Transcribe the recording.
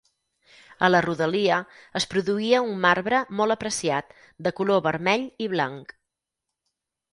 A la rodalia, es produïa un marbre molt apreciat de color vermell i blanc.